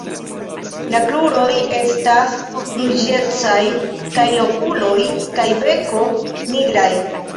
La kruroj estas ruĝecaj kaj la okuloj kaj beko nigraj.